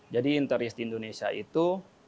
jadi inter risti indonesia itu